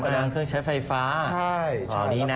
นางเครื่องใช้ไฟฟ้าแถวนี้นะ